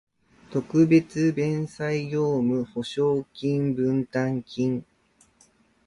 特別弁済業務保証金分担金